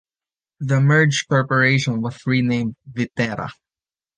The merged corporation was renamed Viterra.